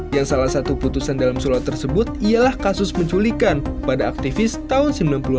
yang salah satu putusan dalam surat tersebut ialah kasus penculikan pada aktivis tahun seribu sembilan ratus sembilan puluh delapan